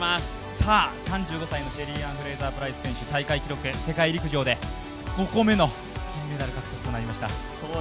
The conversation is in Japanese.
３５歳のシェリーアン・フレイザー・プライス、世界陸上で５個目の金メダル獲得となりました